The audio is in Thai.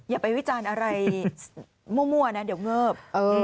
อย่าไปวิจารณ์อะไรมั่วนะเดี๋ยวเงิบ